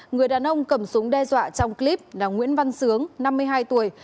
người đàn ông cầm súng đe dọa trong clip là nguyễn văn sướng năm mươi hai tuổi